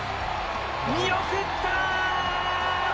見送った！